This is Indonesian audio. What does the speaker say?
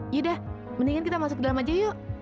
yuda mendingan kita masuk ke dalam aja yuk